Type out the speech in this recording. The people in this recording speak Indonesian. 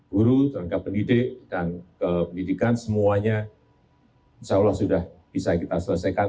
guru tenaga pendidik dan pendidikan semuanya insya allah sudah bisa kita selesaikan